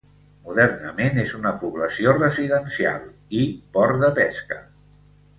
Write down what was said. Modernament és una població residencial, i port de pesca.